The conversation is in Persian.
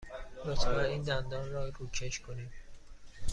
لطفاً این دندان را روکش کنید.